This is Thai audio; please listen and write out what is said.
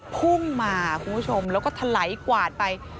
พุ่งมาคุณผู้ชมแล้วก็ทะไหลกวาดไป